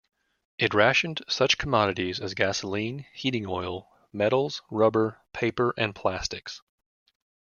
It rationed such commodities as gasoline, heating oil, metals, rubber, paper and plastics.